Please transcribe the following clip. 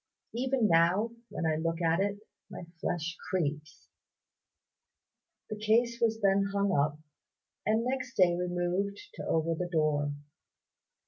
Even now when I look at it my flesh creeps." The case was then hung up, and next day removed to over the door.